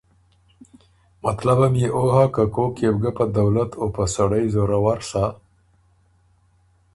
مطلبه ميې او هۀ که کوک يې بو ګه په دولت او په سړئ زورآور سَۀ